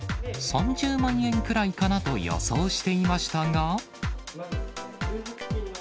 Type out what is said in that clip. ３０万円くらいかなと予想していましたが。